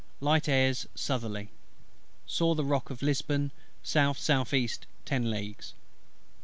Light airs southerly. Saw the rock of Lisbon S.S.E. ten leagues.